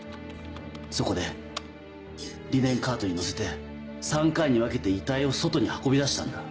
そこでリネンカートに乗せて３回に分けて遺体を外に運び出したんだ。